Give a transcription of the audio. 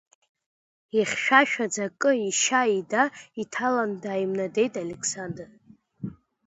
Ихьшәашәаӡа акы ишьа-ида иҭаланы дааимнадеит Алеқсандр.